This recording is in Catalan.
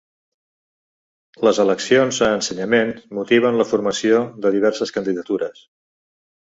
Les eleccions a Ensenyament motiven la formació de diverses candidatures